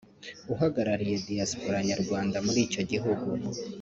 uhagarariye Diaspora Nyarwanda muri icyo gihugu